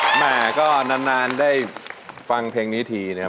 ชีวิตคนนั้นมีราคาต่างกันแต่ชีวิตเท่านาน